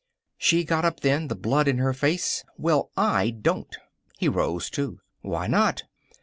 She got up then, the blood in her face. "Well, I don't." He rose, too. "Why not?"